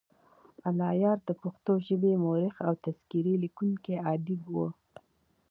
الله یار دپښتو ژبې مؤرخ او تذکرې لیکونی ادیب وو.